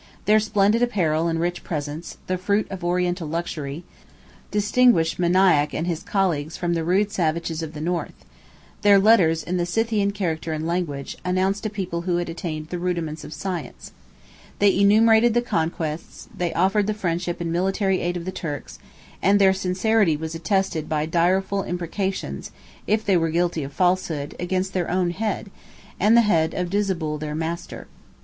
Their splendid apparel and rich presents, the fruit of Oriental luxury, distinguished Maniach and his colleagues from the rude savages of the North: their letters, in the Scythian character and language, announced a people who had attained the rudiments of science: 36 they enumerated the conquests, they offered the friendship and military aid of the Turks; and their sincerity was attested by direful imprecations (if they were guilty of falsehood) against their own head, and the head of Disabul their master.